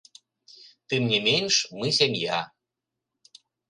Тым не менш, мы сям'я.